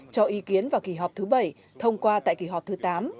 cho ý kiến vào kỳ họp thứ bảy thông qua tại kỳ họp thứ tám